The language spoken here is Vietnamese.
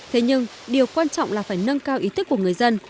thế nhưng điều quan trọng là phải nâng cao ý thức của người dân